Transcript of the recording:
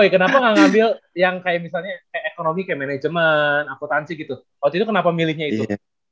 kenapa nggak ngambil yang kayak misalnya kayak ekonomi kayak manajemen akutansi gitu waktu itu kenapa milihnya itu